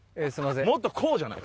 もっとこうじゃない？